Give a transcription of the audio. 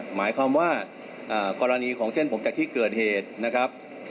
หมายความว่ากรณีของเส้นผมจากที่เกิดเหตุนะครับ